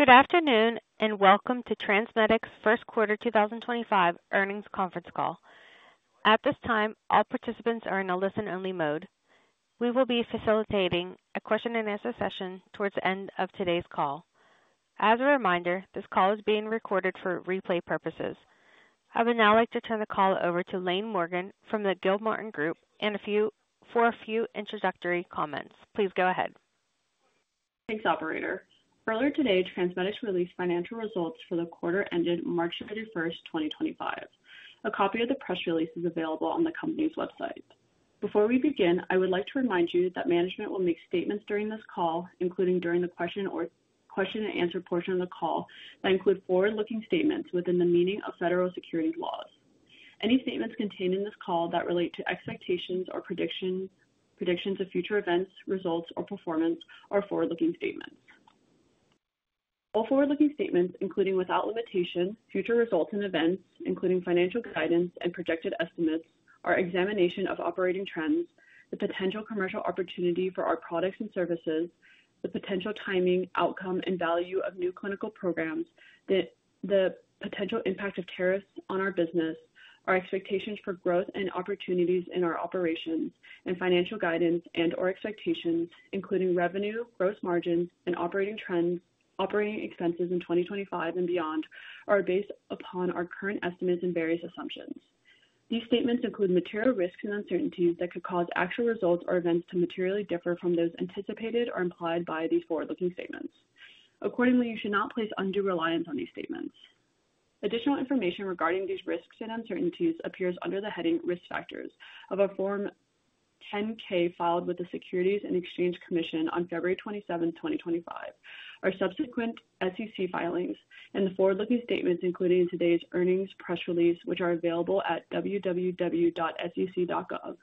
Good afternoon and welcome to TransMedics' first quarter 2025 earnings conference call. At this time, all participants are in a listen-only mode. We will be facilitating a question-and-answer session towards the end of today's call. As a reminder, this call is being recorded for replay purposes. I would now like to turn the call over to Laine Morgan from the Gilmartin Group for a few introductory comments. Please go ahead. Thanks, Operator. Earlier today, TransMedics released financial results for the quarter ended March 31, 2025. A copy of the press release is available on the company's website. Before we begin, I would like to remind you that management will make statements during this call, including during the question-and-answer portion of the call, that include forward-looking statements within the meaning of federal securities laws. Any statements contained in this call that relate to expectations or predictions of future events, results, or performance are forward-looking statements. All forward-looking statements, including without limitation, future results and events, including financial guidance and projected estimates, our examination of operating trends, the potential commercial opportunity for our products and services, the potential timing, outcome, and value of new clinical programs, the potential impact of tariffs on our business, our expectations for growth and opportunities in our operations, and financial guidance and/or expectations, including revenue, gross margins, and operating trends, operating expenses in 2025 and beyond, are based upon our current estimates and various assumptions. These statements include material risks and uncertainties that could cause actual results or events to materially differ from those anticipated or implied by these forward-looking statements. Accordingly, you should not place undue reliance on these statements. Additional information regarding these risks and uncertainties appears under the heading risk factors of a Form 10-K filed with the Securities and Exchange Commission on February 27th, 2025, our subsequent SEC filings, and the forward-looking statements, including today's earnings press release, which are available at www.sec.gov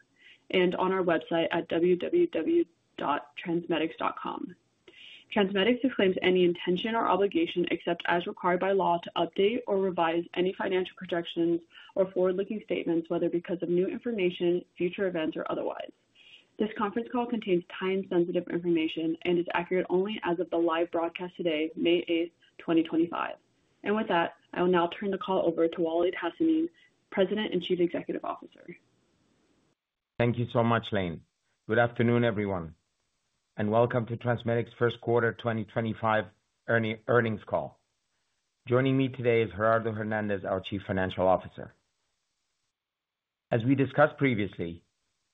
and on our website at www.transmedics.com. TransMedics disclaims any intention or obligation except, as required by law, to update or revise any financial projections or forward-looking statements, whether because of new information, future events, or otherwise. This conference call contains time-sensitive information and is accurate only as of the live broadcast today, May 8th, 2025. With that, I will now turn the call over to Waleed Hassanein, President and Chief Executive Officer. Thank you so much, Laine. Good afternoon, everyone, and welcome to TransMedics' first quarter 2025 earnings call. Joining me today is Gerardo Hernandez, our Chief Financial Officer. As we discussed previously,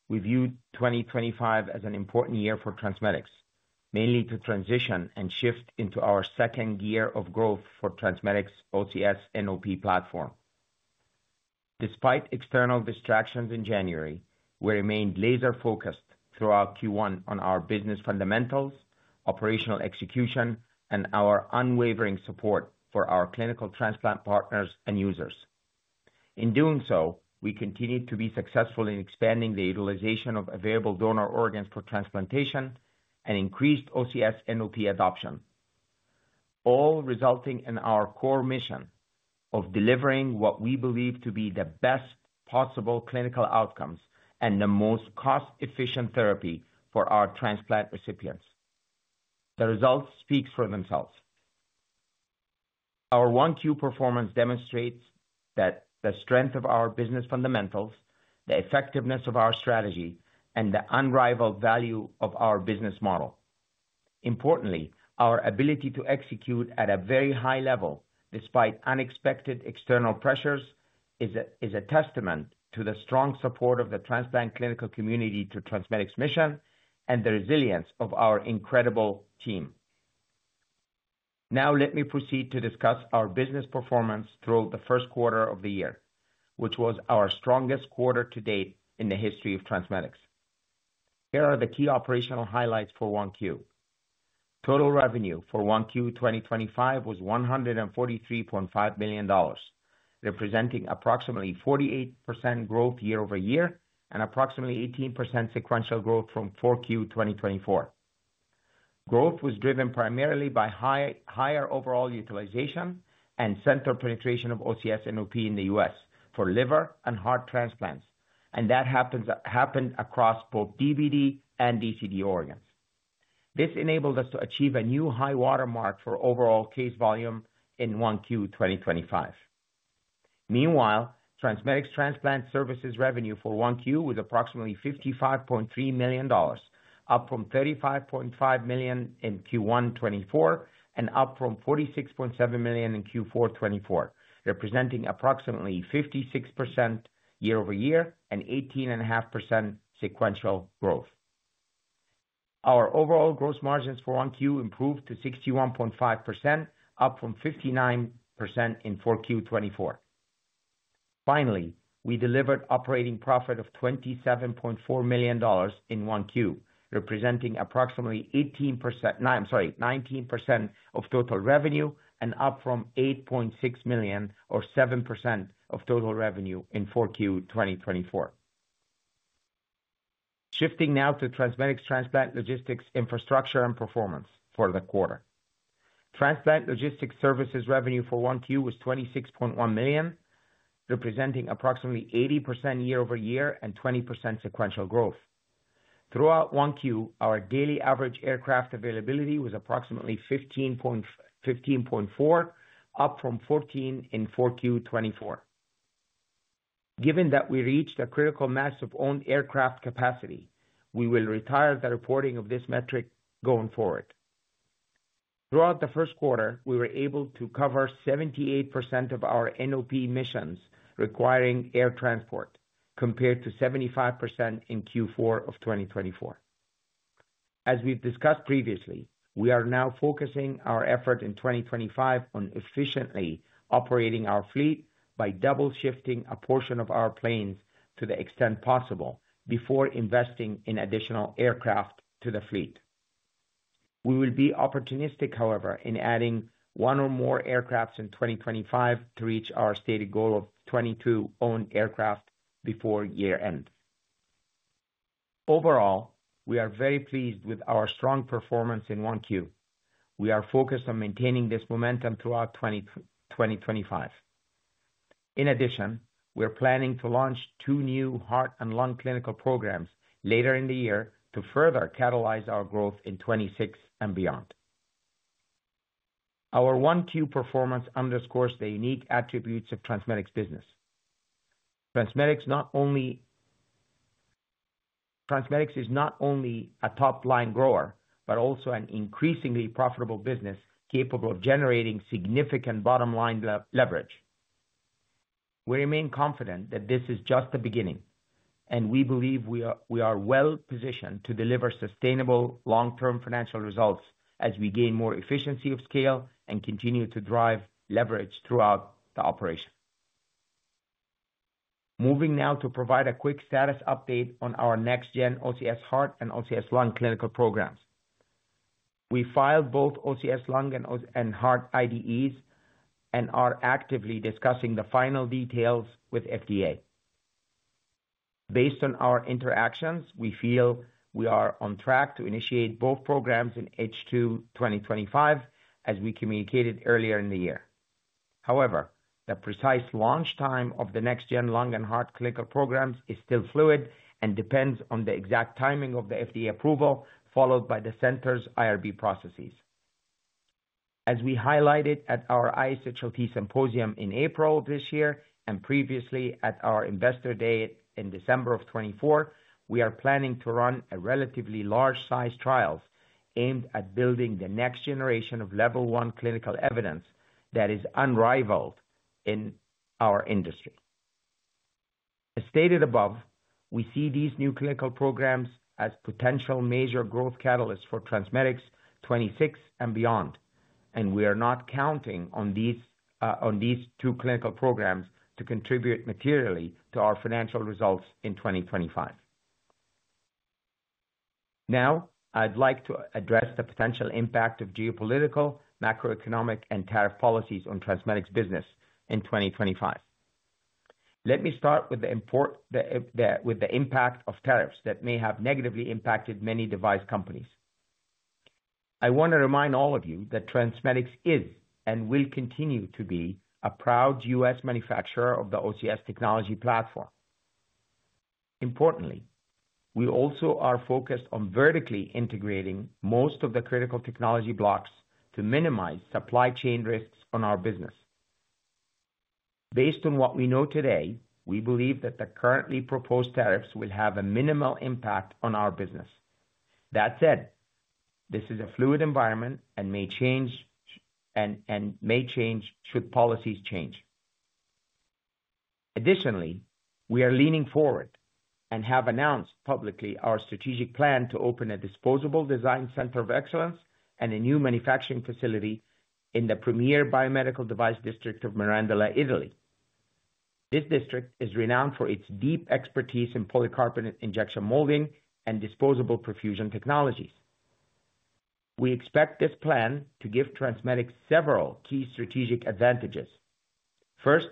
we view 2025 as an important year for TransMedics, mainly to transition and shift into our second year of growth for TransMedics' OTS NOP platform. Despite external distractions in January, we remained laser-focused throughout Q1 on our business fundamentals, operational execution, and our unwavering support for our clinical transplant partners and users. In doing so, we continued to be successful in expanding the utilization of available donor organs for transplantation and increased OTS NOP adoption, all resulting in our core mission of delivering what we believe to be the best possible clinical outcomes and the most cost-efficient therapy for our transplant recipients. The result speaks for themselves. Our Q1 performance demonstrates the strength of our business fundamentals, the effectiveness of our strategy, and the unrivaled value of our business model. Importantly, our ability to execute at a very high level despite unexpected external pressures is a testament to the strong support of the transplant clinical community to TransMedics' mission and the resilience of our incredible team. Now, let me proceed to discuss our business performance throughout the first quarter of the year, which was our strongest quarter to date in the history of TransMedics. Here are the key operational highlights for Q1. Total revenue for Q1 2025 was $143.5 million, representing approximately 48% growth year-over-year and approximately 18% sequential growth from Q4 2024. Growth was driven primarily by higher overall utilization and center penetration of OTS NOP in the U.S. for liver and heart transplants, and that happened across both DBD and DCD organs. This enabled us to achieve a new high watermark for overall case volume in 1Q 2025. Meanwhile, TransMedics' transplant services revenue for 1Q was approximately $55.3 million, up from $35.5 million in Q1 2024 and up from $46.7 million in Q4 2024, representing approximately 56% year-over-year and 18.5% sequential growth. Our overall gross margins for improved to 61.5%, up from 59% in 4Q 2024. Finally, we delivered operating profit of $27.4 million in 1Q, representing approximately 18%—I'm sorry, 19% of total revenue and up from $8.6 million, or 7% of total revenue in 4Q 2024. Shifting now to TransMedics' transplant logistics infrastructure and performance for the quarter. Transplant logistics services revenue for 1Q was $26.1 million, representing approximately 80% year-over-year and 20% sequential growth. Throughout 1Q, our daily average aircraft availability was approximately 15.4, up from 14 in 4Q 2024. Given that we reached a critical mass of owned aircraft capacity, we will retire the reporting of this metric going forward. Throughout the first quarter, we were able to cover 78% of our NOP missions requiring air transport, compared to 75% in Q4 of 2024. As we've discussed previously, we are now focusing our effort in 2025 on efficiently operating our fleet by double-shifting a portion of our planes to the extent possible before investing in additional aircraft to the fleet. We will be opportunistic, however, in adding one or more aircraft in 2025 to reach our stated goal of 22 owned aircraft before year-end. Overall, we are very pleased with our strong performance in Q1. We are focused on maintaining this momentum throughout 2025. In addition, we're planning to launch two new heart and lung clinical programs later in the year to further catalyze our growth in 2026 and beyond. Our Q1 performance underscores the unique attributes of TransMedics' business. TransMedics is not only a top-line grower, but also an increasingly profitable business capable of generating significant bottom-line leverage. We remain confident that this is just the beginning, and we believe we are well-positioned to deliver sustainable long-term financial results as we gain more efficiency of scale and continue to drive leverage throughout the operation. Moving now to provide a quick status update on our next-gen OTS Heart and OTS Lung clinical programs. We filed both OTS Lung and Heart IDEs and are actively discussing the final details with FDA. Based on our interactions, we feel we are on track to initiate both programs in H2 2025, as we communicated earlier in the year. However, the precise launch time of the next-gen lung and heart clinical programs is still fluid and depends on the exact timing of the FDA approval followed by the center's IRB processes. As we highlighted at our ISHLT symposium in April this year and previously at our investor day in December of 2024, we are planning to run relatively large-sized trials aimed at building the next generation of level one clinical evidence that is unrivaled in our industry. As stated above, we see these new clinical programs as potential major growth catalysts for TransMedics 2026 and beyond, and we are not counting on these two clinical programs to contribute materially to our financial results in 2025. Now, I'd like to address the potential impact of geopolitical, macroeconomic, and tariff policies on TransMedics' business in 2025. Let me start with the impact of tariffs that may have negatively impacted many device companies. I want to remind all of you that TransMedics is and will continue to be a proud U.S. manufacturer of the OTS technology platform. Importantly, we also are focused on vertically integrating most of the critical technology blocks to minimize supply chain risks on our business. Based on what we know today, we believe that the currently proposed tariffs will have a minimal impact on our business. That said, this is a fluid environment and may change should policies change. Additionally, we are leaning forward and have announced publicly our strategic plan to open a disposable design center of excellence and a new manufacturing facility in the premier biomedical device district of Mirandola, Italy. This district is renowned for its deep expertise in polycarbonate injection molding and disposable perfusion technologies. We expect this plan to give TransMedics several key strategic advantages. First,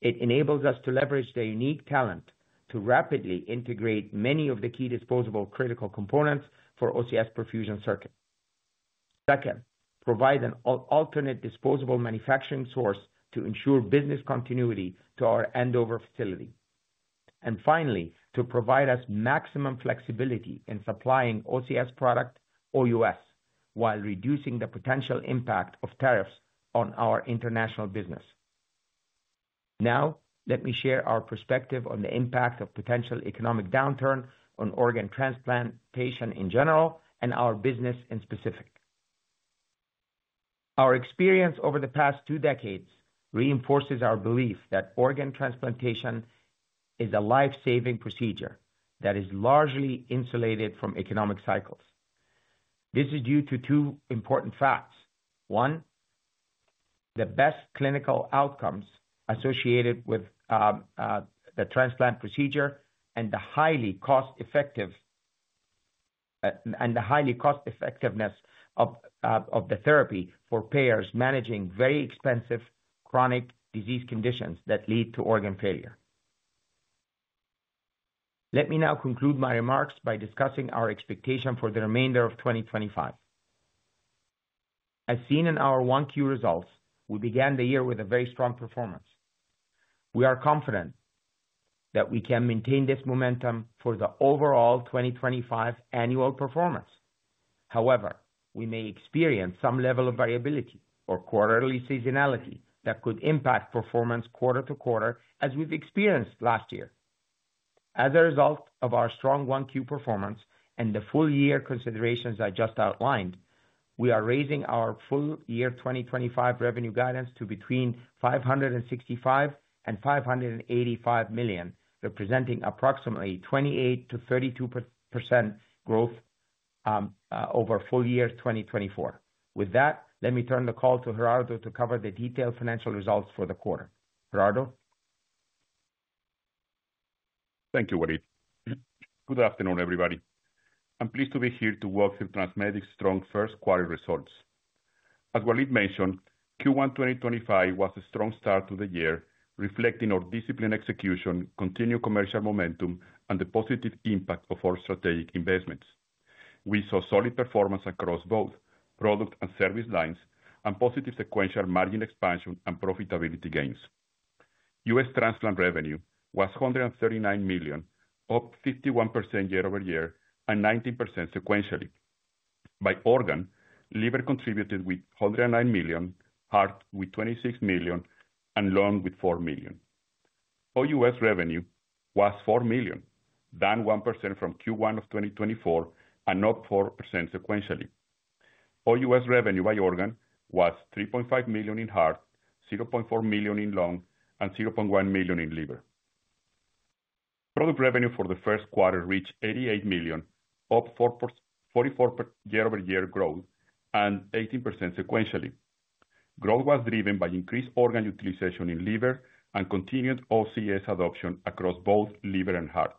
it enables us to leverage their unique talent to rapidly integrate many of the key disposable critical components for OTS perfusion circuits. Second, it provides an alternate disposable manufacturing source to ensure business continuity to our Andover facility. Finally, it provides us maximum flexibility in supplying OTS product for U.S. while reducing the potential impact of tariffs on our international business. Now, let me share our perspective on the impact of potential economic downturn on organ transplantation in general and our business in specific. Our experience over the past two decades reinforces our belief that organ transplantation is a lifesaving procedure that is largely insulated from economic cycles. This is due to two important facts. One, the best clinical outcomes associated with the transplant procedure and the highly cost-effectiveness of the therapy for payers managing very expensive chronic disease conditions that lead to organ failure. Let me now conclude my remarks by discussing our expectation for the remainder of 2025. As seen in our Q1 results, we began the year with a very strong performance. We are confident that we can maintain this momentum for the overall 2025 annual performance. However, we may experience some level of variability or quarterly seasonality that could impact performance quarter-to-quarter, as we've experienced last year. As a result of our strong Q1 performance and the full-year considerations I just outlined, we are raising our full-year 2025 revenue guidance to between $565 million and $585 million, representing approximately 28%-32% growth over full-year 2024. With that, let me turn the call to Gerardo to cover the detailed financial results for the quarter. Gerardo. Thank you, Waleed. Good afternoon, everybody. I'm pleased to be here to welcome TransMedics' strong first quarter results. As Waleed mentioned, Q1 2025 was a strong start to the year, reflecting our disciplined execution, continued commercial momentum, and the positive impact of our strategic investments. We saw solid performance across both product and service lines and positive sequential margin expansion and profitability gains. U.S. transplant revenue was $139 million, up 51% year-over-year and 19% sequentially. By organ, liver contributed with $109 million, heart with $26 million, and lung with $4 million. OUS revenue was $4 million, down 1% from Q1 of 2024 and up 4% sequentially. OUS revenue by organ was $3.5 million in heart, $0.4 million in lung, and $0.1 million in liver. Product revenue for the first quarter reached $88 million, up 44% year-over-year growth and 18% sequentially. Growth was driven by increased organ utilization in liver and continued OCS adoption across both liver and heart.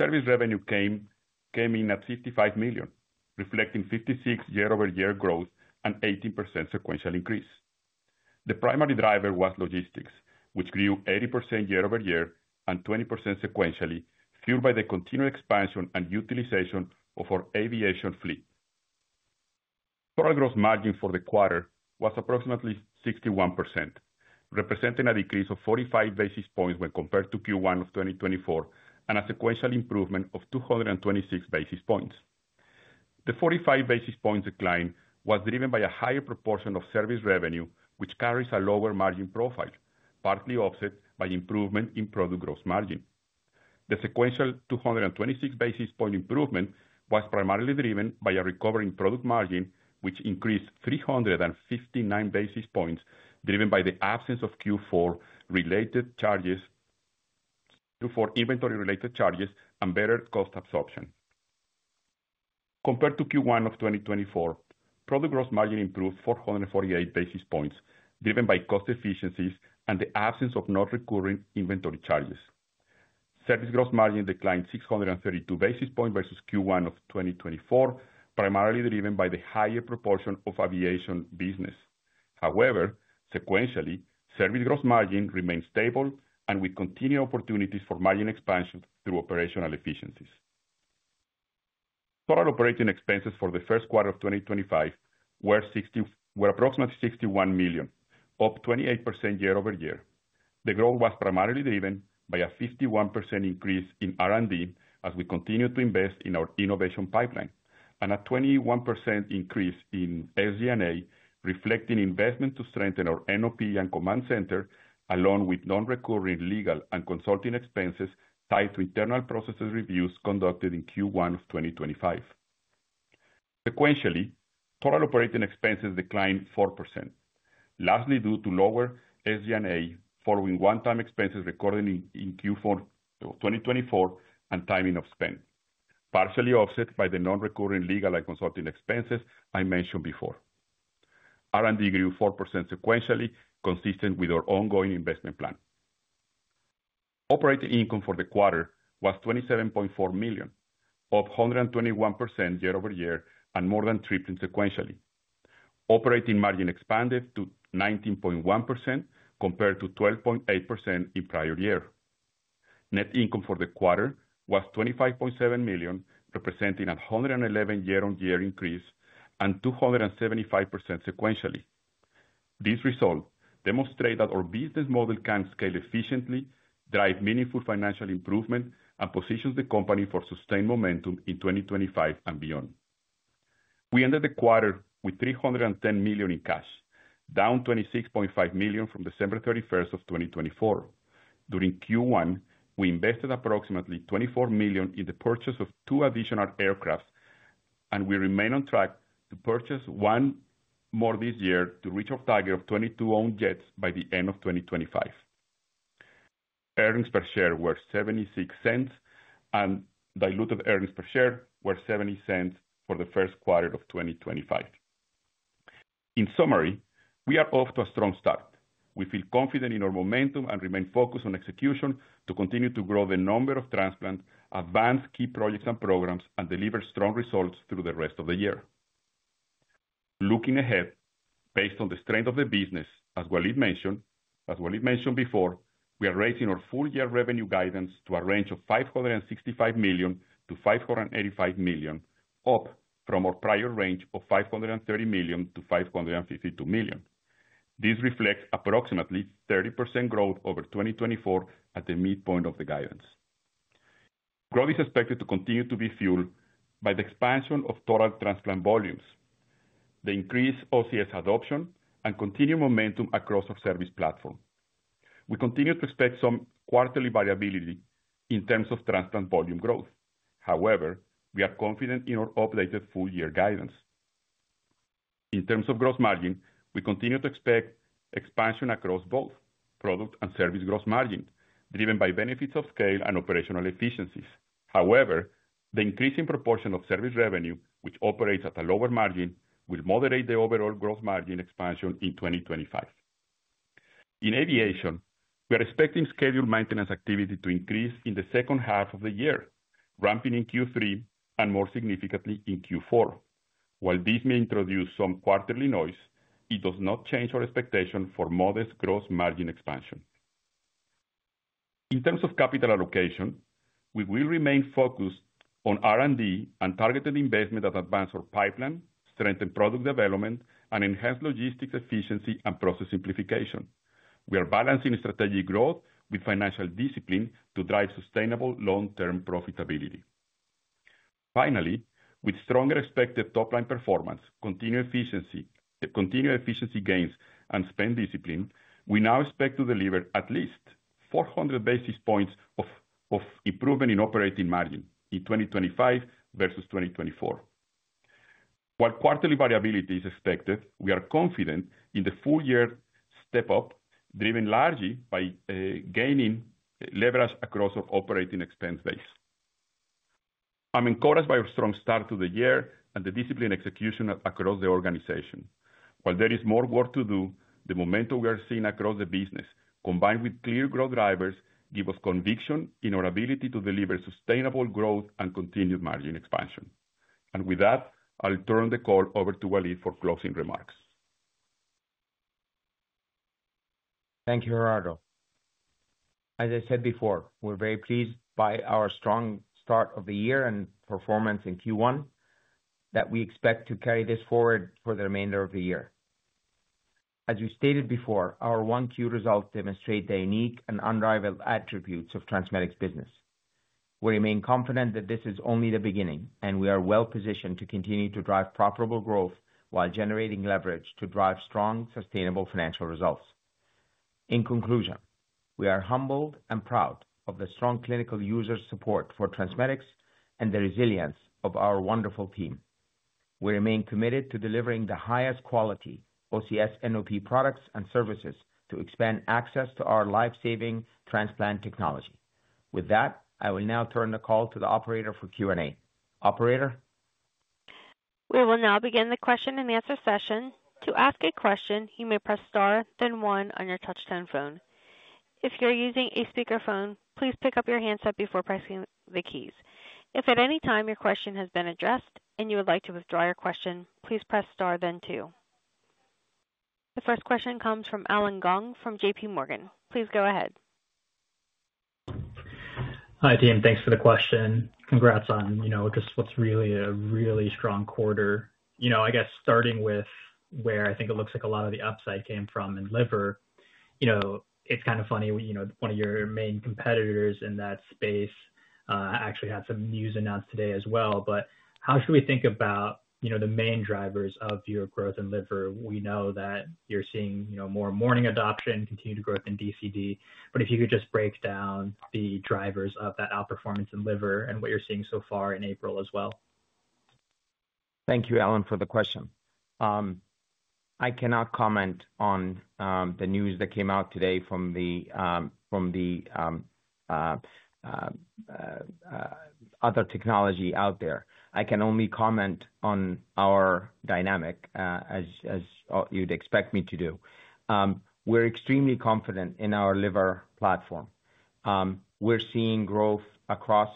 Service revenue came in at $55 million, reflecting 56% year-over-year growth and 18% sequential increase. The primary driver was logistics, which grew 80% year-over-year and 20% sequentially, fueled by the continued expansion and utilization of our aviation fleet. Total gross margin for the quarter was approximately 61%, representing a decrease of 45 basis points when compared to Q1 of 2024 and a sequential improvement of 226 basis points. The 45 basis points decline was driven by a higher proportion of service revenue, which carries a lower margin profile, partly offset by improvement in product gross margin. The sequential 226 basis point improvement was primarily driven by a recovering product margin, which increased 359 basis points, driven by the absence of Q4 related charges for inventory-related charges and better cost absorption. Compared to Q1 of 2024, product gross margin improved 448 basis points, driven by cost efficiencies and the absence of non-recurring inventory charges. Service gross margin declined 632 basis points versus Q1 of 2024, primarily driven by the higher proportion of aviation business. However, sequentially, service gross margin remained stable and with continued opportunities for margin expansion through operational efficiencies. Total operating expenses for the first quarter of 2025 were approximately $61 million, up 28% year-over-year. The growth was primarily driven by a 51% increase in R&D as we continued to invest in our innovation pipeline and a 21% increase in SG&A, reflecting investment to strengthen our NOP and command center, along with non-recurring legal and consulting expenses tied to internal processes reviews conducted in Q1 of 2025. Sequentially, total operating expenses declined 4%, largely due to lower SG&A following one-time expenses recorded in Q4 of 2024 and timing of spend, partially offset by the non-recurring legal and consulting expenses I mentioned before. R&D grew 4% sequentially, consistent with our ongoing investment plan. Operating income for the quarter was $27.4 million, up 121% year-over-year and more than tripled sequentially. Operating margin expanded to 19.1% compared to 12.8% in prior year. Net income for the quarter was $25.7 million, representing a 111% year-on-year increase and 275% sequentially. This result demonstrates that our business model can scale efficiently, drive meaningful financial improvement, and position the company for sustained momentum in 2025 and beyond. We ended the quarter with $310 million in cash, down $26.5 million from December 31 of 2024. During Q1, we invested approximately $24 million in the purchase of two additional aircraft, and we remain on track to purchase one more this year to reach our target of 22 owned jets by the end of 2025. Earnings per share were $0.76, and diluted earnings per share were $0.70 for the first quarter of 2025. In summary, we are off to a strong start. We feel confident in our momentum and remain focused on execution to continue to grow the number of transplant, advance key projects and programs, and deliver strong results through the rest of the year. Looking ahead, based on the strength of the business, as Waleed mentioned before, we are raising our full-year revenue guidance to a range of $565 million-$585 million, up from our prior range of $530 million-$552 million. This reflects approximately 30% growth over 2024 at the midpoint of the guidance. Growth is expected to continue to be fueled by the expansion of total transplant volumes, the increased OCS adoption, and continued momentum across our service platform. We continue to expect some quarterly variability in terms of transplant volume growth. However, we are confident in our updated full-year guidance. In terms of gross margin, we continue to expect expansion across both product and service gross margin, driven by benefits of scale and operational efficiencies. However, the increasing proportion of service revenue, which operates at a lower margin, will moderate the overall gross margin expansion in 2025. In aviation, we are expecting scheduled maintenance activity to increase in the second half of the year, ramping in Q3 and more significantly in Q4. While this may introduce some quarterly noise, it does not change our expectation for modest gross margin expansion. In terms of capital allocation, we will remain focused on R&D and targeted investment that advance our pipeline, strengthen product development, and enhance logistics efficiency and process simplification. We are balancing strategic growth with financial discipline to drive sustainable long-term profitability. Finally, with stronger expected top-line performance, continued efficiency gains, and spend discipline, we now expect to deliver at least 400 basis points of improvement in operating margin in 2025 versus 2024. While quarterly variability is expected, we are confident in the full-year step-up, driven largely by gaining leverage across our operating expense base. I'm encouraged by our strong start to the year and the disciplined execution across the organization. While there is more work to do, the momentum we are seeing across the business, combined with clear growth drivers, gives us conviction in our ability to deliver sustainable growth and continued margin expansion. With that, I'll turn the call over to Waleed for closing remarks. Thank you, Gerardo. As I said before, we're very pleased by our strong start of the year and performance in Q1 that we expect to carry this forward for the remainder of the year. As we stated before, our Q1 results demonstrate the unique and unrivaled attributes of TransMedics business. We remain confident that this is only the beginning, and we are well-positioned to continue to drive profitable growth while generating leverage to drive strong, sustainable financial results. In conclusion, we are humbled and proud of the strong clinical user support for TransMedics and the resilience of our wonderful team. We remain committed to delivering the highest quality OCS NOP products and services to expand access to our lifesaving transplant technology. With that, I will now turn the call to the operator for Q&A. Operator. We will now begin the question and answer session. To ask a question, you may press star then one on your touch-tone phone. If you're using a speakerphone, please pick up your handset before pressing the keys. If at any time your question has been addressed and you would like to withdraw your question, please press star then two. The first question comes from Alan Gong from JP Morgan. Please go ahead. Hi, team. Thanks for the question. Congrats on just what's really a really strong quarter. I guess starting with where I think it looks like a lot of the upside came from in liver. It's kind of funny. One of your main competitors in that space actually had some news announced today as well. How should we think about the main drivers of your growth in liver? We know that you're seeing more morning adoption, continued growth in DCD. If you could just break down the drivers of that outperformance in liver and what you're seeing so far in April as well. Thank you, Alan, for the question. I cannot comment on the news that came out today from the other technology out there. I can only comment on our dynamic, as you'd expect me to do. We're extremely confident in our liver platform. We're seeing growth across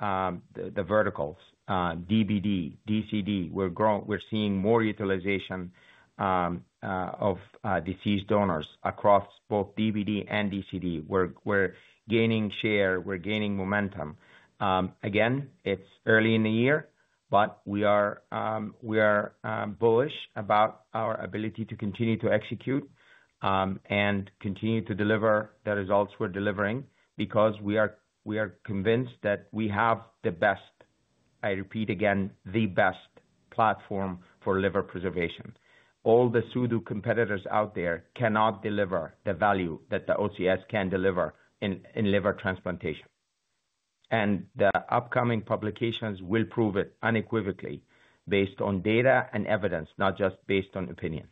the verticals, DBD, DCD. We're seeing more utilization of disease donors across both DBD and DCD. We're gaining share. We're gaining momentum. Again, it's early in the year, but we are bullish about our ability to continue to execute and continue to deliver the results we're delivering because we are convinced that we have the best, I repeat again, the best platform for liver preservation. All the pseudo competitors out there cannot deliver the value that the OCS can deliver in liver transplantation. The upcoming publications will prove it unequivocally based on data and evidence, not just based on opinions.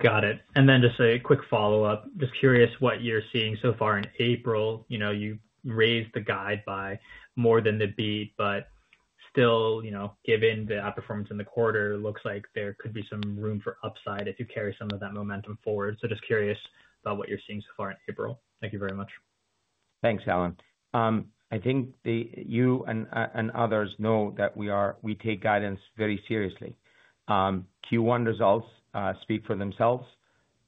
Got it. And then just a quick follow-up. Just curious what you're seeing so far in April. You raised the guide by more than the beat, but still, given the outperformance in the quarter, it looks like there could be some room for upside if you carry some of that momentum forward. Just curious about what you're seeing so far in April. Thank you very much. Thanks, Alan. I think you and others know that we take guidance very seriously. Q1 results speak for themselves.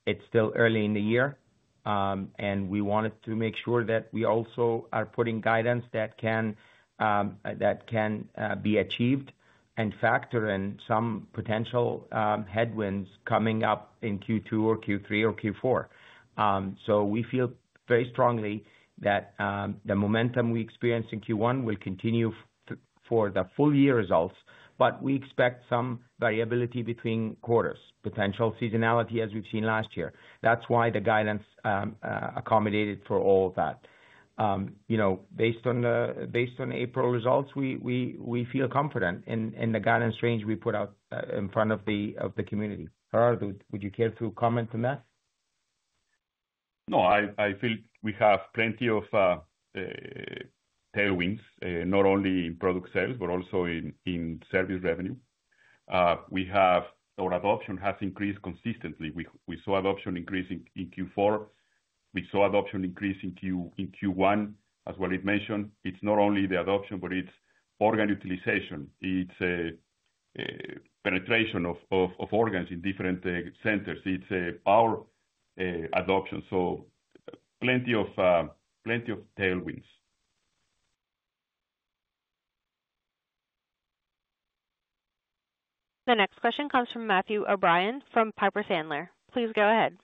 It's still early in the year, and we wanted to make sure that we also are putting guidance that can be achieved and factor in some potential headwinds coming up in Q2 or Q3 or Q4. We feel very strongly that the momentum we experience in Q1 will continue for the full-year results, but we expect some variability between quarters, potential seasonality as we've seen last year. That's why the guidance accommodated for all of that. Based on April results, we feel confident in the guidance range we put out in front of the community. Gerardo, would you care to comment on that? No, I feel we have plenty of tailwinds, not only in product sales, but also in service revenue. Our adoption has increased consistently. We saw adoption increase in Q4. We saw adoption increase in Q1, as Waleed mentioned. It's not only the adoption, but it's organ utilization. It's penetration of organs in different centers. It's our adoption. So plenty of tailwinds. The next question comes from Matthew O'Brien from Piper Sandler. Please go ahead.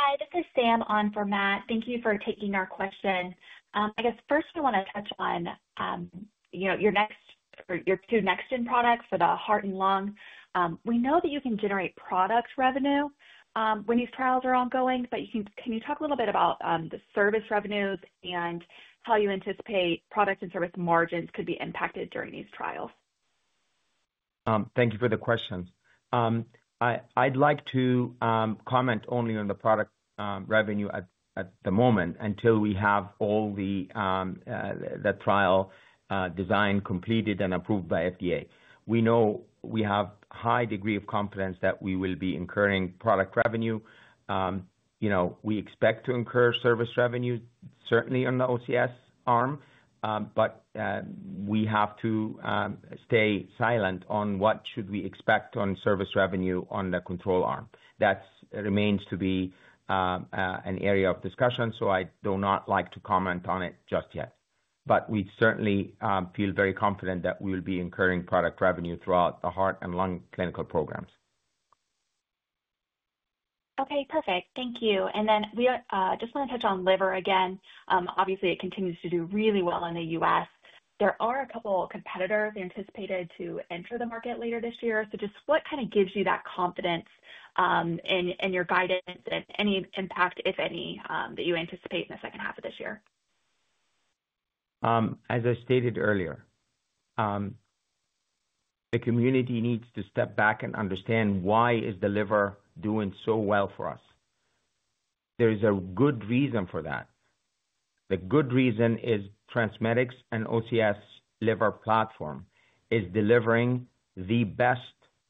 Hi, this is Sam on for Matt. Thank you for taking our question. I guess first, we want to touch on your two Nexgen products for the heart and lung. We know that you can generate product revenue when these trials are ongoing, but can you talk a little bit about the service revenues and how you anticipate product and service margins could be impacted during these trials? Thank you for the question. I'd like to comment only on the product revenue at the moment until we have all the trial design completed and approved by FDA. We know we have a high degree of confidence that we will be incurring product revenue. We expect to incur service revenue, certainly on the OCS arm, but we have to stay silent on what should we expect on service revenue on the control arm. That remains to be an area of discussion, so I do not like to comment on it just yet. We certainly feel very confident that we will be incurring product revenue throughout the heart and lung clinical programs. Okay, perfect. Thank you. We just want to touch on liver again. Obviously, it continues to do really well in the U.S. There are a couple of competitors anticipated to enter the market later this year. Just what kind of gives you that confidence in your guidance and any impact, if any, that you anticipate in the second half of this year? As I stated earlier, the community needs to step back and understand why is the liver doing so well for us. There is a good reason for that. The good reason is TransMedics and OCS liver platform is delivering the best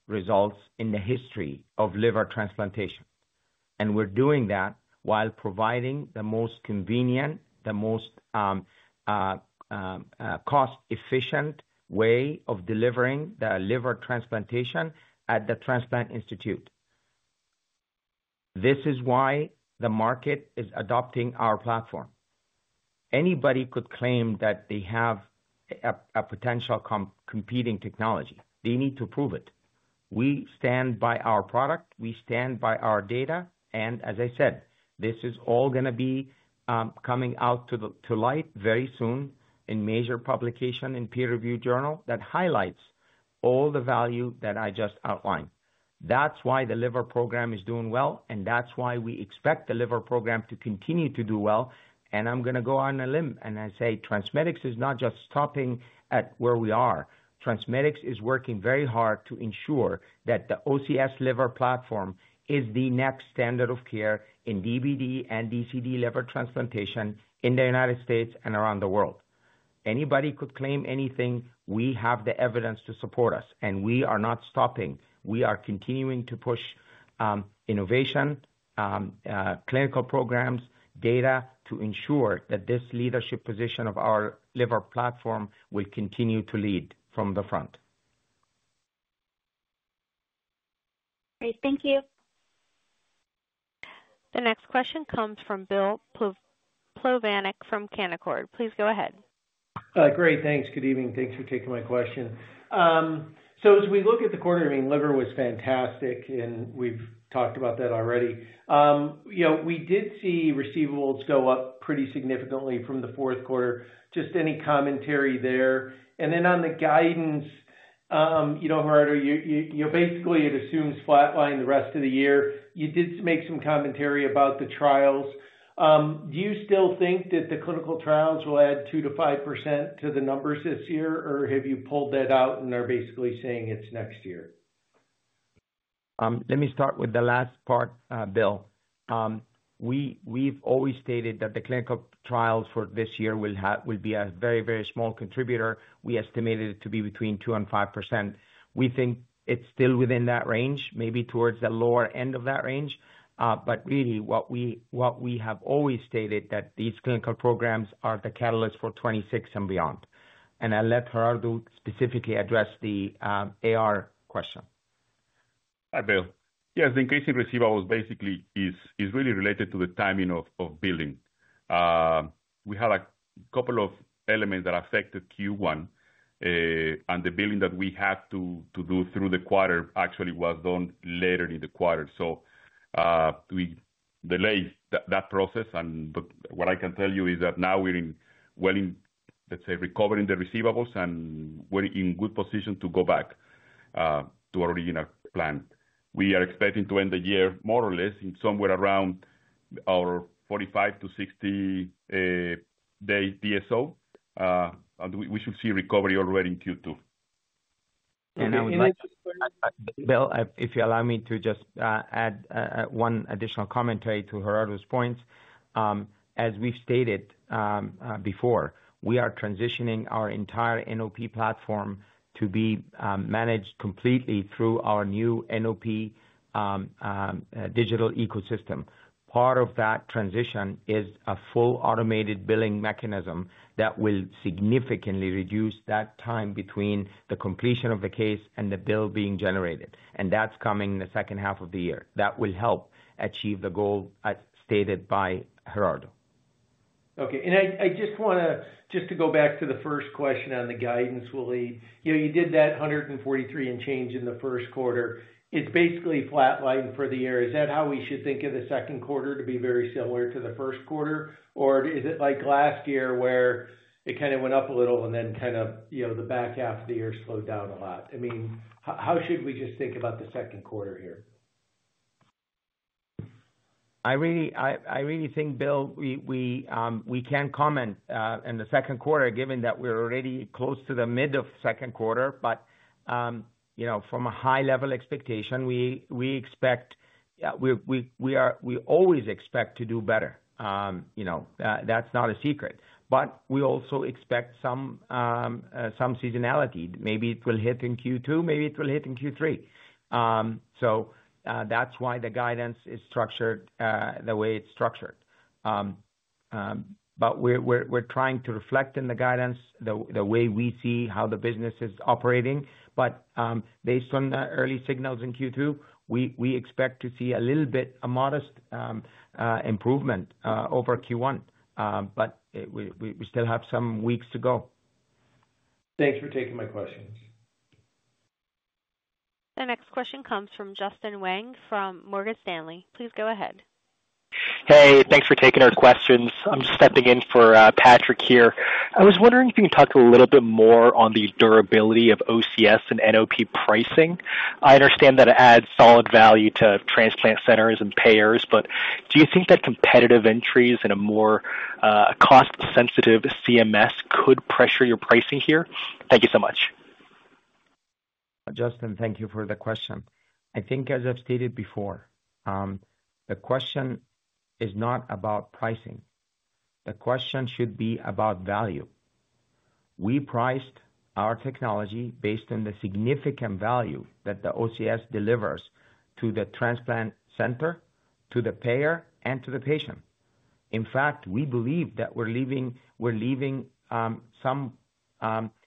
results in the history of liver transplantation. We're doing that while providing the most convenient, the most cost-efficient way of delivering the liver transplantation at the Transplant Institute. This is why the market is adopting our platform. Anybody could claim that they have a potential competing technology. They need to prove it. We stand by our product. We stand by our data. As I said, this is all going to be coming out to light very soon in major publication in peer-reviewed journal that highlights all the value that I just outlined. That's why the liver program is doing well, and that's why we expect the liver program to continue to do well. I'm going to go on a limb and say TransMedics is not just stopping at where we are. TransMedics is working very hard to ensure that the OCS liver platform is the next standard of care in DBD and DCD liver transplantation in the United States and around the world. Anybody could claim anything. We have the evidence to support us, and we are not stopping. We are continuing to push innovation, clinical programs, data to ensure that this leadership position of our liver platform will continue to lead from the front. Great. Thank you. The next question comes from Bill Plovanic from Canaccord. Please go ahead. Great. Thanks. Good evening. Thanks for taking my question. As we look at the quarter, I mean, liver was fantastic, and we've talked about that already. We did see receivables go up pretty significantly from the fourth quarter. Just any commentary there? On the guidance, Gerardo, you basically had assumed flatline the rest of the year. You did make some commentary about the trials. Do you still think that the clinical trials will add 2%-5% to the numbers this year, or have you pulled that out and are basically saying it's next year? Let me start with the last part, Bill. We've always stated that the clinical trials for this year will be a very, very small contributor. We estimated it to be between 2% and 5%. We think it's still within that range, maybe towards the lower end of that range. What we have always stated is that these clinical programs are the catalyst for 2026 and beyond. I'll let Gerardo specifically address the AR question. Hi, Bill. Yes, the increase in receivables basically is really related to the timing of billing. We had a couple of elements that affected Q1, and the billing that we had to do through the quarter actually was done later in the quarter. We delayed that process. What I can tell you is that now we're in, let's say, recovering the receivables, and we're in good position to go back to our original plan. We are expecting to end the year more or less in somewhere around our 45-60 day DSO, and we should see recovery already in Q2. I would like. Bill, if you allow me to just add one additional commentary to Gerardo's points. As we've stated before, we are transitioning our entire NOP platform to be managed completely through our new NOP digital ecosystem. Part of that transition is a full automated billing mechanism that will significantly reduce that time between the completion of the case and the bill being generated. That is coming in the second half of the year. That will help achieve the goal stated by Gerardo. Okay. I just want to go back to the first question on the guidance, Waleed. You did that $143 million and change in the first quarter. It is basically flatline for the year. Is that how we should think of the second quarter, to be very similar to the first quarter? Or is it like last year where it kind of went up a little and then kind of the back half of the year slowed down a lot? I mean, how should we just think about the second quarter here? I really think, Bill, we can comment in the second quarter, given that we're already close to the mid of the second quarter. From a high-level expectation, we expect we always expect to do better. That's not a secret. We also expect some seasonality. Maybe it will hit in Q2. Maybe it will hit in Q3. That's why the guidance is structured the way it's structured. We're trying to reflect in the guidance the way we see how the business is operating. Based on the early signals in Q2, we expect to see a little bit of modest improvement over Q1. We still have some weeks to go. Thanks for taking my questions. The next question comes from Justin Wang from Morgan Stanley. Please go ahead. Hey, thanks for taking our questions. I'm stepping in for Patrick here. I was wondering if you can talk a little bit more on the durability of OCS and NOP pricing. I understand that it adds solid value to transplant centers and payers, but do you think that competitive entries in a more cost-sensitive CMS could pressure your pricing here? Thank you so much. Justin, thank you for the question. I think, as I've stated before, the question is not about pricing. The question should be about value. We priced our technology based on the significant value that the OCS delivers to the transplant center, to the payer, and to the patient. In fact, we believe that we're leaving some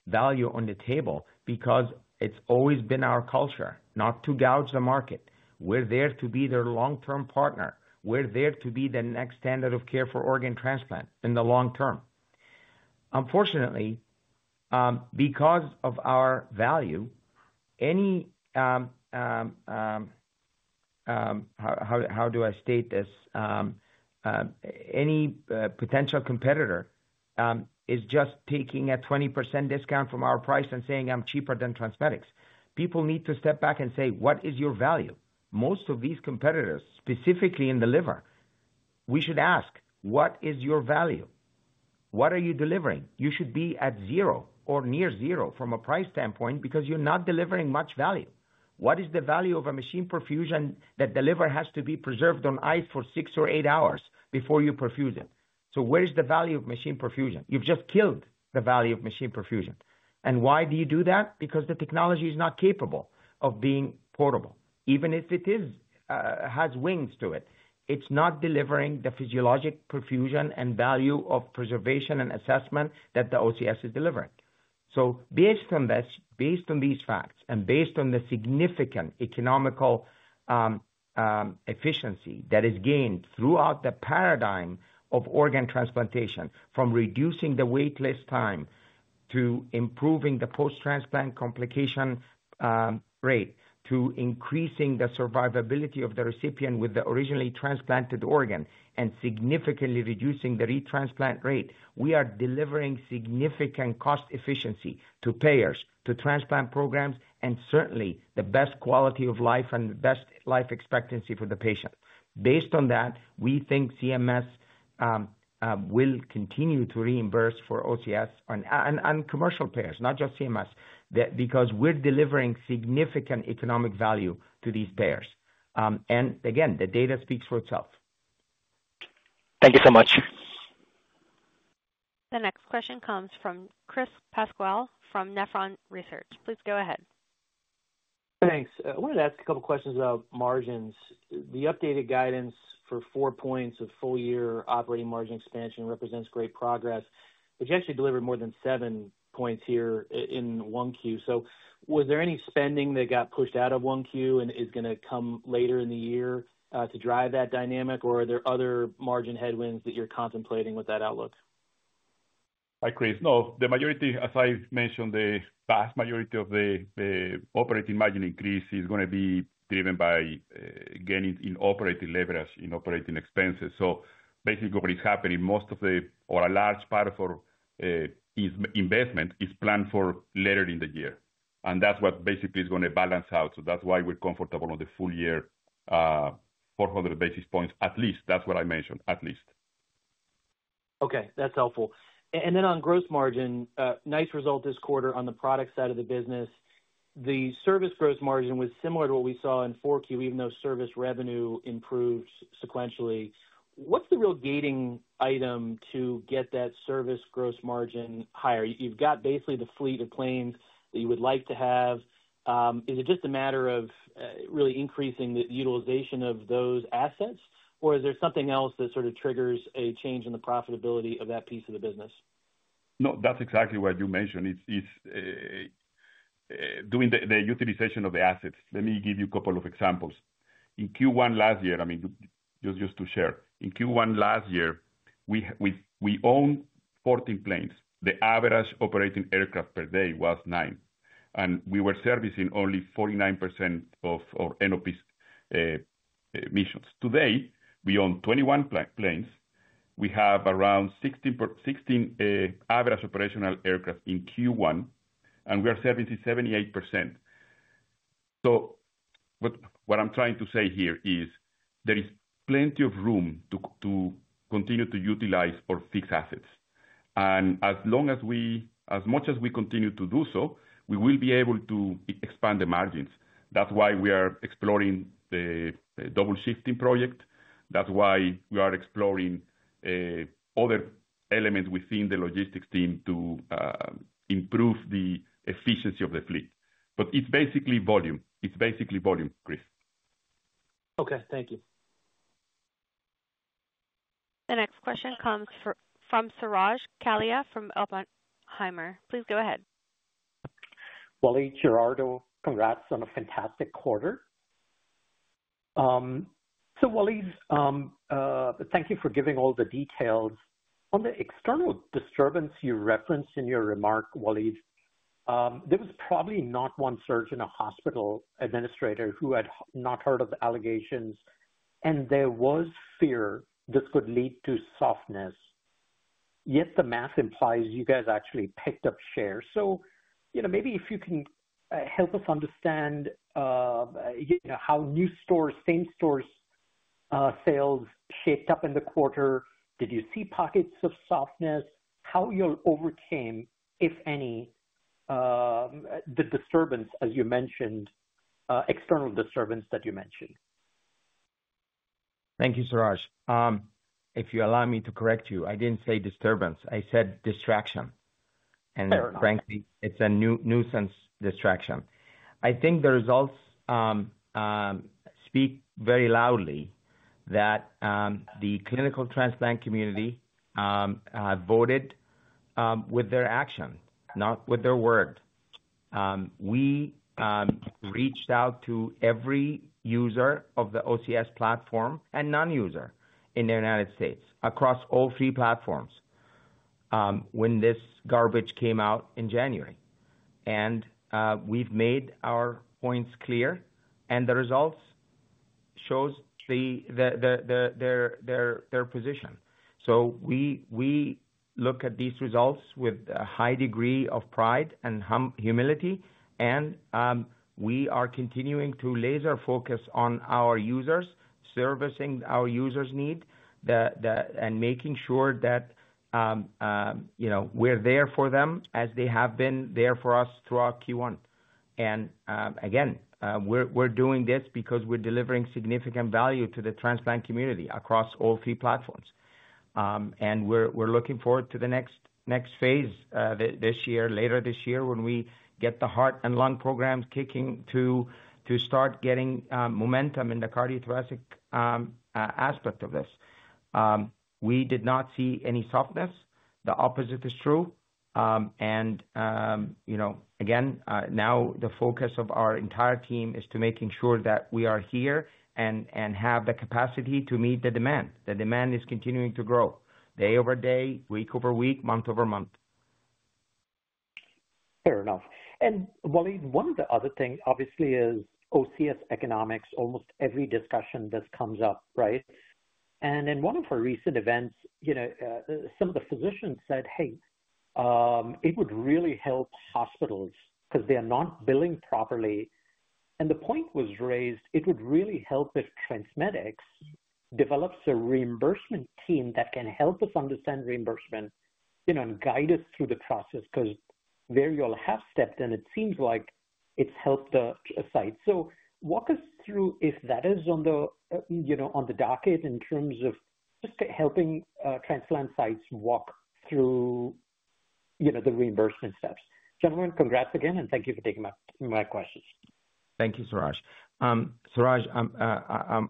value on the table because it's always been our culture, not to gouge the market. We're there to be their long-term partner. We're there to be the next standard of care for organ transplant in the long term. Unfortunately, because of our value, any, how do I state this? Any potential competitor is just taking a 20% discount from our price and saying, "I'm cheaper than TransMedics." People need to step back and say, "What is your value?" Most of these competitors, specifically in the liver, we should ask, "What is your value? What are you delivering? You should be at zero or near zero from a price standpoint because you're not delivering much value. What is the value of a machine perfusion that the liver has to be preserved on ice for six or eight hours before you perfuse it? Where is the value of machine perfusion? You've just killed the value of machine perfusion. Why do you do that? Because the technology is not capable of being portable. Even if it has wings to it, it's not delivering the physiologic perfusion and value of preservation and assessment that the OCS is delivering. Based on this, based on these facts, and based on the significant economic efficiency that is gained throughout the paradigm of organ transplantation, from reducing the waitlist time to improving the post-transplant complication rate to increasing the survivability of the recipient with the originally transplanted organ and significantly reducing the retransplant rate, we are delivering significant cost efficiency to payers, to transplant programs, and certainly the best quality of life and the best life expectancy for the patient. Based on that, we think CMS will continue to reimburse for OCS and commercial payers, not just CMS, because we're delivering significant economic value to these payers. Again, the data speaks for itself. Thank you so much. The next question comes from Chris Pascuale from Nephron Research. Please go ahead. Thanks. I wanted to ask a couple of questions about margins. The updated guidance for four points of full-year operating margin expansion represents great progress. But you actually delivered more than seven points here in 1Q. Was there any spending that got pushed out of 1Q and is going to come later in the year to drive that dynamic? Or are there other margin headwinds that you're contemplating with that outlook? I agree. No, the majority, as I mentioned, the vast majority of the operating margin increase is going to be driven by gaining in operating leverage, in operating expenses. Basically, what is happening, most of the or a large part of our investment is planned for later in the year. That is what basically is going to balance out. That is why we are comfortable on the full-year 400 basis points, at least. That is what I mentioned, at least. Okay. That's helpful. Then on gross margin, nice result this quarter on the product side of the business. The service gross margin was similar to what we saw in Q4, even though service revenue improved sequentially. What's the real gating item to get that service gross margin higher? You've got basically the fleet of planes that you would like to have. Is it just a matter of really increasing the utilization of those assets? Is there something else that sort of triggers a change in the profitability of that piece of the business? No, that's exactly what you mentioned. It's doing the utilization of the assets. Let me give you a couple of examples. In Q1 last year, I mean, just to share, in Q1 last year, we owned 14 planes. The average operating aircraft per day was 9. And we were servicing only 49% of our NOP missions. Today, we own 21 planes. We have around 16 average operational aircraft in Q1, and we are servicing 78%. What I'm trying to say here is there is plenty of room to continue to utilize or fix assets. As much as we continue to do so, we will be able to expand the margins. That is why we are exploring the double shifting project. That is why we are exploring other elements within the logistics team to improve the efficiency of the fleet. It's basically volume. It's basically volume, Chris. Okay. Thank you. The next question comes from Suraj Kalia from Oppenheimer. Please go ahead. Waleed, Gerardo, congrats on a fantastic quarter. So Waleed, thank you for giving all the details. On the external disturbance you referenced in your remark, Waleed, there was probably not one surgeon or hospital administrator who had not heard of the allegations, and there was fear this could lead to softness. Yet the math implies you guys actually picked up share. So maybe if you can help us understand how new stores, same stores' sales shaped up in the quarter, did you see pockets of softness, how you overcame, if any, the disturbance, as you mentioned, external disturbance that you mentioned? Thank you, Suraj. If you allow me to correct you, I did not say disturbance. I said distraction. And frankly, it is a nuisance distraction. I think the results speak very loudly that the clinical transplant community voted with their action, not with their word. We reached out to every user of the OCS platform and non-user in the United States across all three platforms when this garbage came out in January. We have made our points clear, and the results show their position. We look at these results with a high degree of pride and humility. We are continuing to laser focus on our users, servicing our users' needs, and making sure that we are there for them as they have been there for us throughout Q1. We are doing this because we are delivering significant value to the transplant community across all three platforms. We are looking forward to the next phase this year, later this year, when we get the heart and lung programs kicking to start getting momentum in the cardiothoracic aspect of this. We did not see any softness. The opposite is true. Again, now the focus of our entire team is to making sure that we are here and have the capacity to meet the demand. The demand is continuing to grow day-over-day, week-over-week, month-over-month. Fair enough. And Waleed, one of the other things, obviously, is OCS economics. Almost every discussion this comes up, right? And in one of our recent events, some of the physicians said, "Hey, it would really help hospitals because they are not billing properly." And the point was raised, "It would really help if TransMedics develops a reimbursement team that can help us understand reimbursement and guide us through the process because there you all have stepped in. It seems like it's helped the site." So walk us through if that is on the docket in terms of just helping transplant sites walk through the reimbursement steps. Gentlemen, congrats again, and thank you for taking my questions. Thank you, Suraj. Suraj,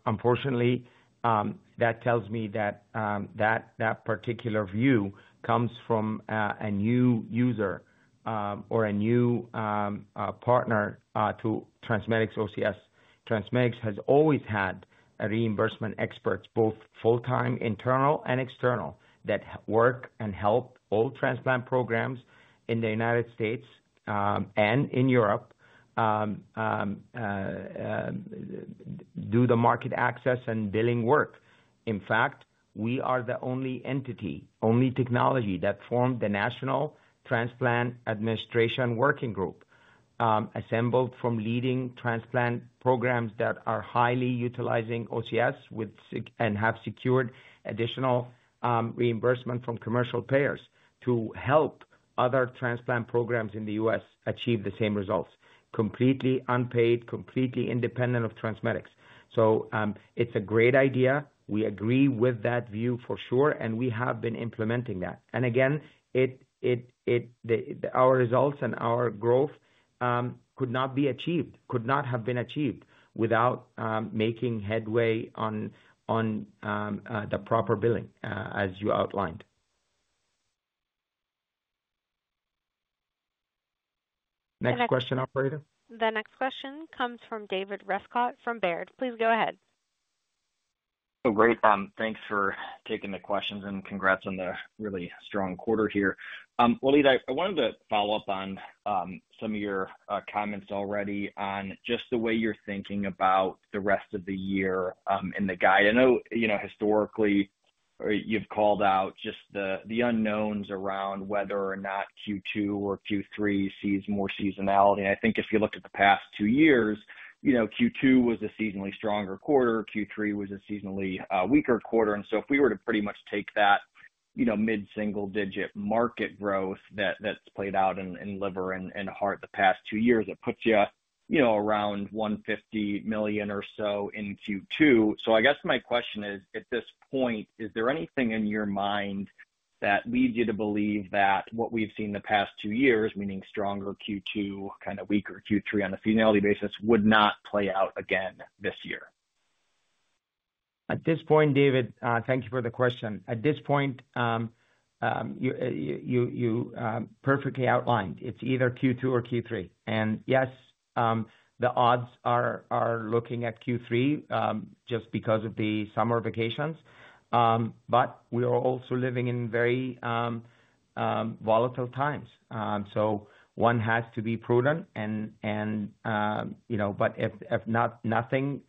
unfortunately, that tells me that that particular view comes from a new user or a new partner to TransMedics OCS. TransMedics has always had reimbursement experts, both full-time, internal, and external, that work and help all transplant programs in the United States and in Europe do the market access and billing work. In fact, we are the only entity, only technology that formed the National Transplant Administration Working Group, assembled from leading transplant programs that are highly utilizing OCS and have secured additional reimbursement from commercial payers to help other transplant programs in the United States achieve the same results, completely unpaid, completely independent of TransMedics. It is a great idea. We agree with that view for sure, and we have been implementing that. Our results and our growth could not be achieved, could not have been achieved without making headway on the proper billing, as you outlined. Next question, operator? The next question comes from David Restcott from Baird. Please go ahead. Hey, great. Thanks for taking the questions and congrats on the really strong quarter here. Waleed, I wanted to follow up on some of your comments already on just the way you're thinking about the rest of the year in the guide. I know historically you've called out just the unknowns around whether or not Q2 or Q3 sees more seasonality. I think if you look at the past two years, Q2 was a seasonally stronger quarter. Q3 was a seasonally weaker quarter. If we were to pretty much take that mid-single-digit market growth that's played out in liver and heart the past two years, it puts you around $150 million or so in Q2. I guess my question is, at this point, is there anything in your mind that leads you to believe that what we've seen the past two years, meaning stronger Q2, kind of weaker Q3 on a seasonality basis, would not play out again this year? At this point, David, thank you for the question. At this point, you perfectly outlined. It's either Q2 or Q3. Yes, the odds are looking at Q3 just because of the summer vacations. We are also living in very volatile times. One has to be prudent. If nothing,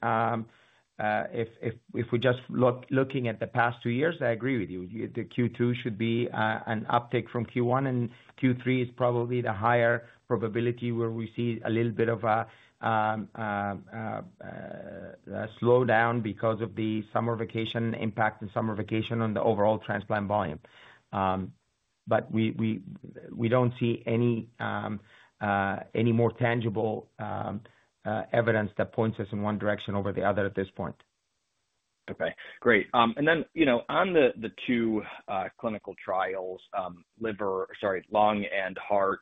if we're just looking at the past two years, I agree with you. Q2 should be an uptick from Q1, and Q3 is probably the higher probability where we see a little bit of a slowdown because of the summer vacation impact and summer vacation on the overall transplant volume. We don't see any more tangible evidence that points us in one direction over the other at this point. Okay. Great. And then on the two clinical trials, liver, sorry, lung and heart,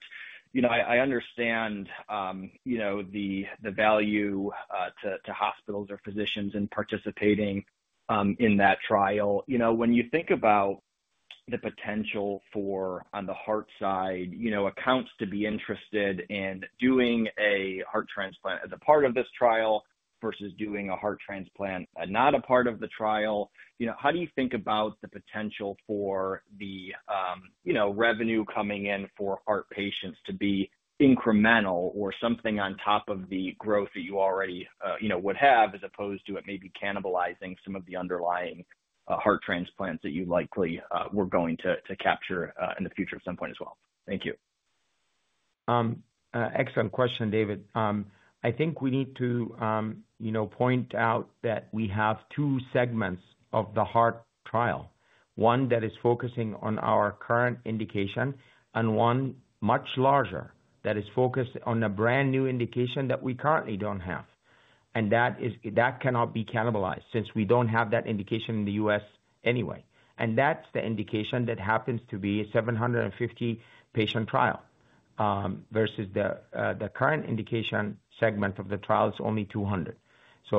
I understand the value to hospitals or physicians in participating in that trial. When you think about the potential for, on the heart side, accounts to be interested in doing a heart transplant as a part of this trial versus doing a heart transplant not a part of the trial, how do you think about the potential for the revenue coming in for heart patients to be incremental or something on top of the growth that you already would have as opposed to it maybe cannibalizing some of the underlying heart transplants that you likely were going to capture in the future at some point as well? Thank you. Excellent question, David. I think we need to point out that we have two segments of the heart trial, one that is focusing on our current indication and one much larger that is focused on a brand new indication that we currently do not have. That cannot be cannibalized since we do not have that indication in the U.S. anyway. That is the indication that happens to be a 750-patient trial versus the current indication segment of the trial is only 200.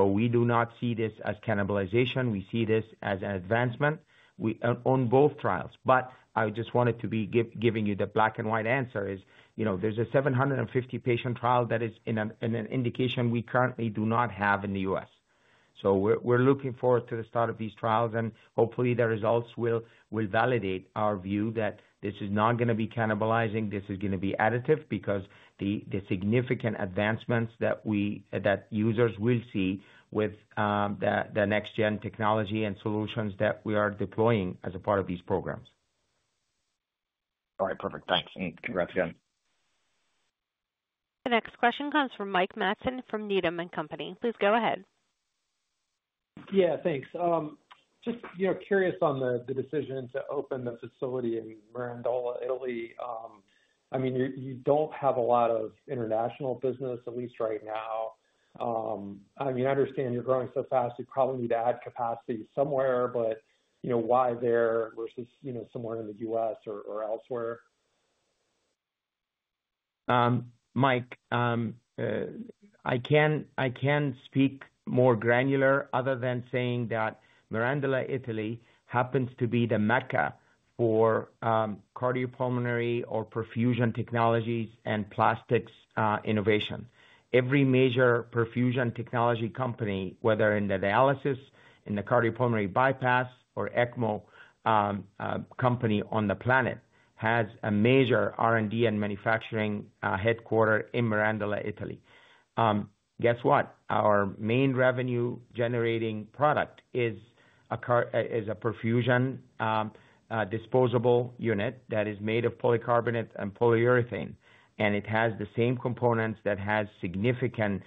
We do not see this as cannibalization. We see this as an advancement on both trials. I just wanted to be giving you the black-and-white answer is there is a 750-patient trial that is an indication we currently do not have in the U.S. We're looking forward to the start of these trials, and hopefully, the results will validate our view that this is not going to be cannibalizing. This is going to be additive because the significant advancements that users will see with the next-gen technology and solutions that we are deploying as a part of these programs. All right. Perfect. Thanks. And congrats again. The next question comes from Mike Matson from Needham & Company. Please go ahead. Yeah, thanks. Just curious on the decision to open the facility in Mirandola, Italy. I mean, you don't have a lot of international business, at least right now. I mean, I understand you're growing so fast. You probably need to add capacity somewhere, but why there versus somewhere in the U.S. or elsewhere? Mike, I can't speak more granular other than saying that Mirandola, Italy, happens to be the Mecca for cardiopulmonary or perfusion technologies and plastics innovation. Every major perfusion technology company, whether in the dialysis, in the cardiopulmonary bypass, or ECMO company on the planet, has a major R&D and manufacturing headquarter in Mirandola, Italy. Guess what? Our main revenue-generating product is a perfusion disposable unit that is made of polycarbonate and polyurethane. It has the same components that have significant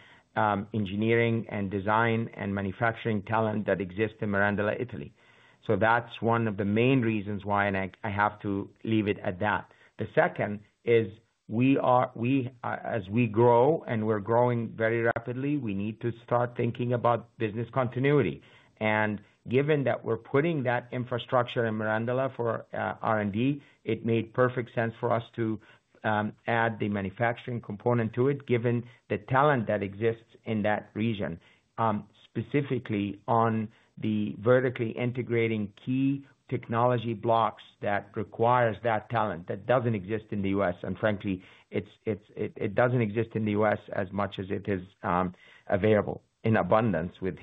engineering and design and manufacturing talent that exists in Mirandola, Italy. That is one of the main reasons why, and I have to leave it at that. The second is, as we grow and we're growing very rapidly, we need to start thinking about business continuity. Given that we're putting that infrastructure in Mirandola for R&D, it made perfect sense for us to add the manufacturing component to it given the talent that exists in that region, specifically on the vertically integrating key technology blocks that require that talent that doesn't exist in the U.S. Frankly, it doesn't exist in the U.S. as much as it is available in abundance with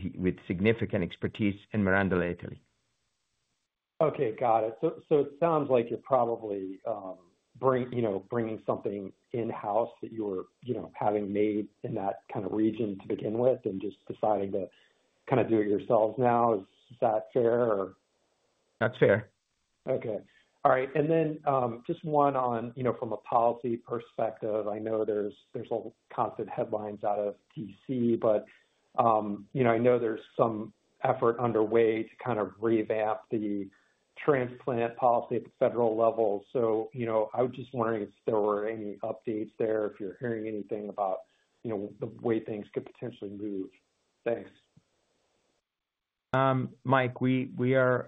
significant expertise in Mirandola, Italy. Okay. Got it. So it sounds like you're probably bringing something in-house that you were having made in that kind of region to begin with and just deciding to kind of do it yourselves now. Is that fair? That's fair. Okay. All right. And then just one on from a policy perspective. I know there's a little constant headlines out of D.C., but I know there's some effort underway to kind of revamp the transplant policy at the federal level. I was just wondering if there were any updates there, if you're hearing anything about the way things could potentially move. Thanks. Mike, we're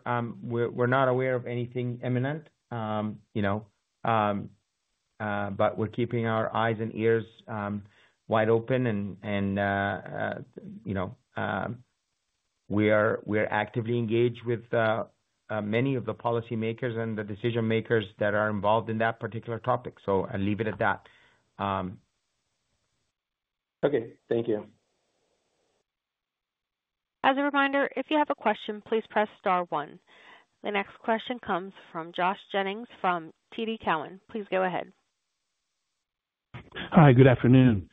not aware of anything imminent, but we're keeping our eyes and ears wide open. We're actively engaged with many of the policymakers and the decision-makers that are involved in that particular topic. I'll leave it at that. Okay. Thank you. As a reminder, if you have a question, please press star one. The next question comes from Josh Jennings from TD Cowen. Please go ahead. Hi, good afternoon.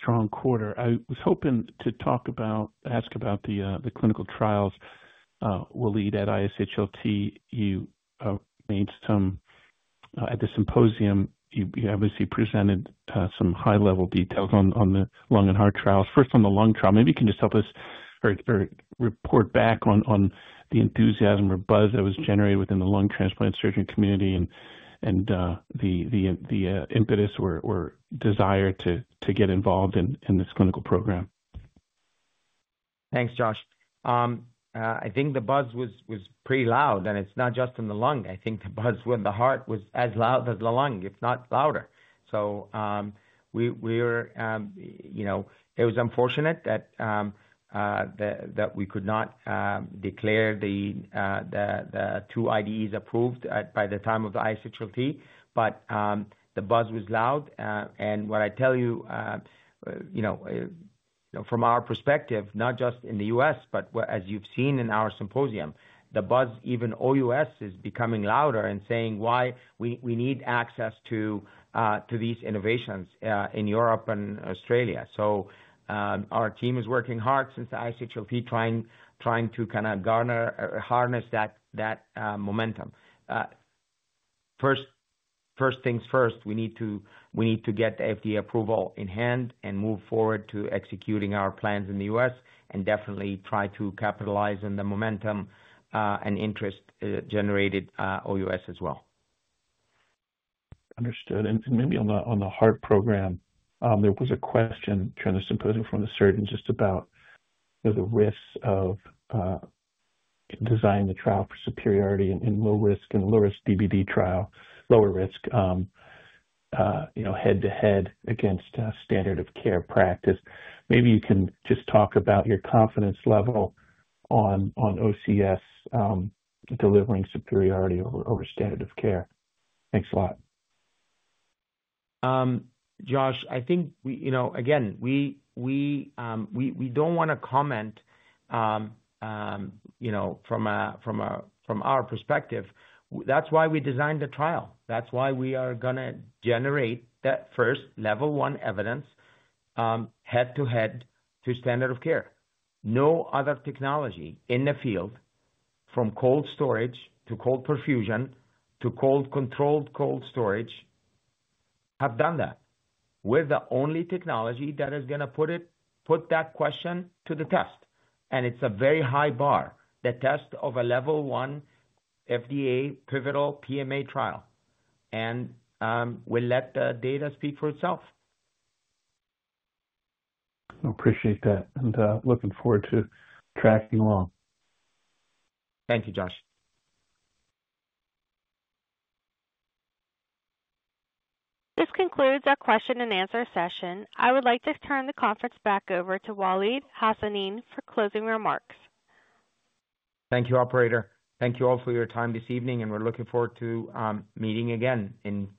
Strong quarter. I was hoping to talk about, ask about the clinical trials we'll lead at ISHLT. You made some at the symposium, you obviously presented some high-level details on the lung and heart trials. First, on the lung trial, maybe you can just help us report back on the enthusiasm or buzz that was generated within the lung transplant surgeon community and the impetus or desire to get involved in this clinical program. Thanks, Josh. I think the buzz was pretty loud. It's not just in the lung. I think the buzz with the heart was as loud as the lung, if not louder. It was unfortunate that we could not declare the two IDEs approved by the time of the ISHLT. The buzz was loud. What I tell you, from our perspective, not just in the U.S., but as you've seen in our symposium, the buzz, even OUS, is becoming louder and saying why we need access to these innovations in Europe and Australia. Our team is working hard since ISHLT, trying to kind of garner or harness that momentum. First things first, we need to get the FDA approval in hand and move forward to executing our plans in the U.S. and definitely try to capitalize on the momentum and interest generated OUS as well. Understood. Maybe on the heart program, there was a question during the symposium from the surgeon just about the risks of designing the trial for superiority in a low-risk DBD trial, lower risk, head-to-head against standard of care practice. Maybe you can just talk about your confidence level on OCS delivering superiority over standard of care. Thanks a lot. Josh, I think, again, we don't want to comment from our perspective. That's why we designed the trial. That's why we are going to generate that first level one evidence head-to-head to standard of care. No other technology in the field, from cold storage to cold perfusion to controlled cold storage, have done that with the only technology that is going to put that question to the test. It is a very high bar, the test of a level one FDA pivotal PMA trial. We'll let the data speak for itself. I appreciate that. I am looking forward to tracking along. Thank you, Josh. This concludes our question-and-answer session. I would like to turn the conference back over to Waleed Hassanein for closing remarks. Thank you, operator. Thank you all for your time this evening. We are looking forward to meeting again in a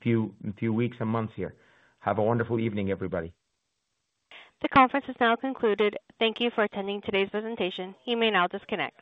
few weeks and months here. Have a wonderful evening, everybody. The conference is now concluded. Thank you for attending today's presentation. You may now disconnect.